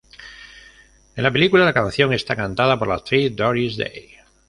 En la película la canción está cantada por la actriz Doris Day.